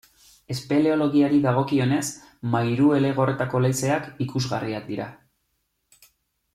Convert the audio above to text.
Espeleologiari dagokionez, Mairuelegorretako leizeak ikusgarriak dira.